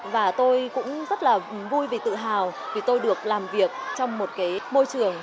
và tôi cũng rất là vui và tự hào vì tôi được làm việc trong một môi trường